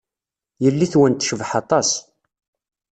Yelli-twen tecbeḥ aṭas.